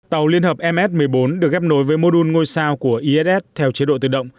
tàu liên hợp ms một mươi bốn được ghép nối với mô đun ngôi sao của iss theo chế độ tự động